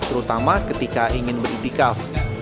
terutama ketika ingin berikhtikaf